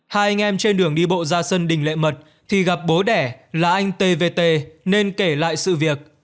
hai anh em trên đường đi bộ ra sân đình lệ mật thì gặp bố đẻ là anh t v t nên kể lại sự việc